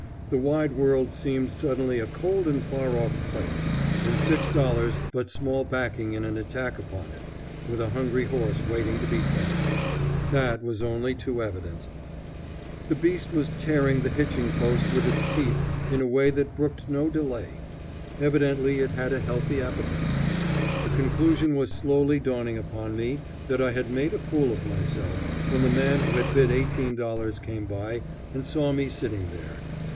The wide world seemed suddenly a cold and far off place, and $6 but small backing in an attack upon it, with a hungry horse waiting to be fed. That was only too evident. [Illustration: "The wide world seemed suddenly a cold and far off place."] The beast was tearing the hitching post with its teeth in a way that brooked no delay. Evidently it had a healthy appetite. The conclusion was slowly dawning upon me that I had made a fool of myself, when the man who had bid $18 came by and saw me sitting there.